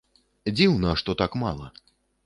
Дзіўна, што так мала.